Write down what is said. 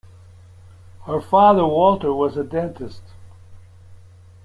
Her father, Walter was a dentist.